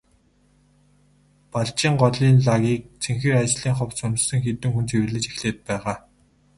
Балжийн голын лагийг цэнхэр ажлын хувцас өмссөн хэдэн хүн цэвэрлэж эхлээд байгаа.